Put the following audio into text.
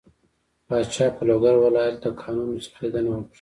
پاچا په لوګر ولايت له کانونو څخه ليدنه وکړه.